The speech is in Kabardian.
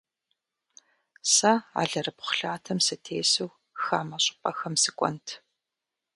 Сэ алэрыбгъу лъатэм сытесу хамэ щӏыпӏэхэм сыкӏуэнт.